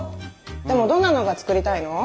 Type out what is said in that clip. でもどんなのが作りたいの？